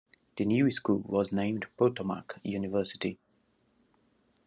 The new school was named Potomac University.